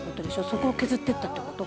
そこを削ってったってこと？